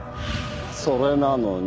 それなのに。